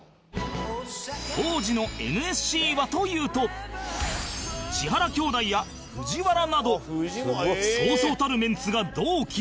当時の ＮＳＣ はというと千原兄弟や ＦＵＪＩＷＡＲＡ などそうそうたるメンツが同期